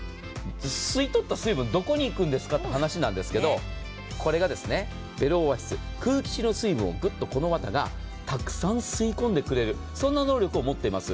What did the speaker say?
吸い取った水分どこにいくんですかという話なんですけれども、これがベルオアシス、空気中の水分をぐっと、この綿がたくさん吸い込んでくれる能力を持っています。